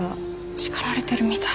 叱られてるみたい。